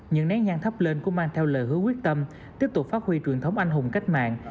những nén nhang thắp lên cũng mang theo lời hứa quyết tâm tiếp tục phát huy truyền thống anh hùng cách mạng